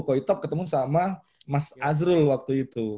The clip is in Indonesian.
kok itop ketemu sama mas azrul waktu itu